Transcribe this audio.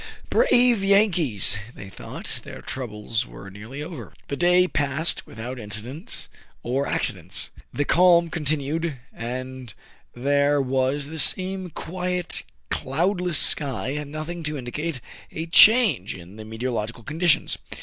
Brave Yankees ! they thought their troubles were nearly over. The day passed without incidents or accidents. The calm continued ; and there was the same quiet, cloudless sky, and nothing to indicate a change in the meteorological conditions.